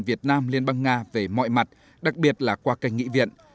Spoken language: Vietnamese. việt nam liên bang nga về mọi mặt đặc biệt là qua cành nghị viện